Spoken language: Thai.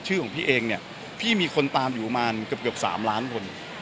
ชื่อของพี่เองเนี่ยพี่มีคนตามอยู่ประมาณเกือบ๓ล้านคน